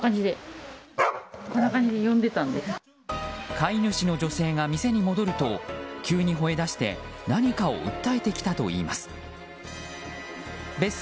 飼い主の女性が店に戻ると急にほえ出して何かを訴えてきたといいます。